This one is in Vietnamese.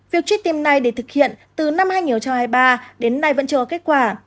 việc truy tìm này để thực hiện từ năm hai nghìn hai mươi ba đến nay vẫn chưa có kết quả